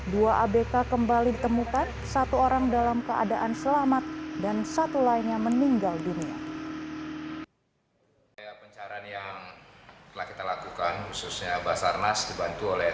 dua abk kembali ditemukan satu orang dalam keadaan selamat dan satu lainnya meninggal dunia